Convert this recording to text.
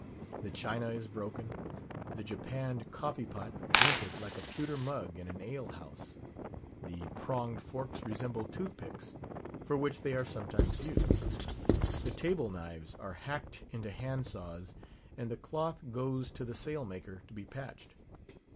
The china is broken; the japanned coffee pot dented like a pewter mug in an ale house; the pronged forks resemble tooth picks (for which they are sometimes used); the table knives are hacked into hand saws; and the cloth goes to the sail maker to be patched.